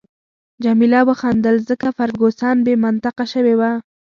جميله وخندل، ځکه فرګوسن بې منطقه شوې وه.